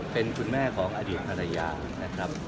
เป็นคุณแม่ของอดีตภรรยานะครับ